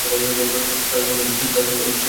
তার সহকারী স্মিথ।